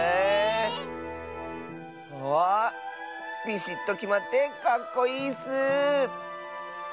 ビシッときまってかっこいいッス！